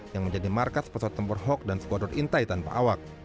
yang menjadi markas pesawat tempur hawk dan skuadron intai tanpa awak